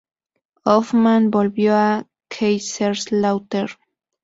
Hoffmann volvió a Kaiserslautern.